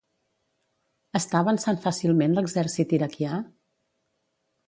Està avançant fàcilment l'exèrcit iraquià?